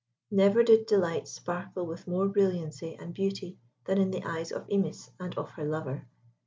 Never did delight sparkle with more brilliancy and beauty than in the eyes of Imis and of her lover.